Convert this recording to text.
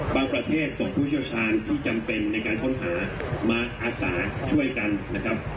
ประเทศส่งผู้เชี่ยวชาญที่จำเป็นในการค้นหามาอาสาช่วยกันนะครับ